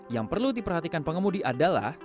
yang perlu diperhatikan pengemudi adalah